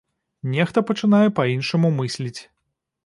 Нехта пачынае па-іншаму мысліць.